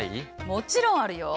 もちろんあるよ！